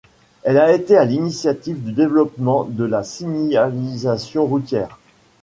Elle a été à l'initiative du développement de la signalisation routière.